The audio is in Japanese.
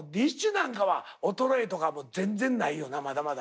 なんかは衰えとか全然ないよなまだまだ。